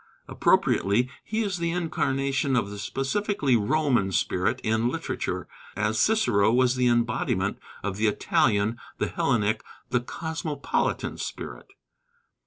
Appropriately he is the incarnation of the specifically Roman spirit in literature, as Cicero was the embodiment of the Italian, the Hellenic, the cosmopolitan spirit.